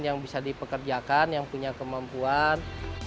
yang bisa dipekerjakan yang punya kemampuan